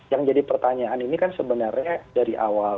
yang jadi pertanyaan ini kan sebenarnya dari awal